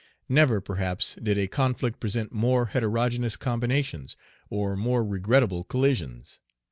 Never, perhaps, did a conflict present more heterogeneous combinations, or more regrettable collisions.